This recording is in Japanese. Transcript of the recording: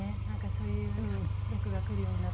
そういう役がくるようになったのは。